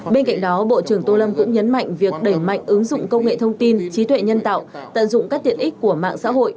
bên cạnh đó bộ trưởng tô lâm cũng nhấn mạnh việc đẩy mạnh ứng dụng công nghệ thông tin trí tuệ nhân tạo tận dụng các tiện ích của mạng xã hội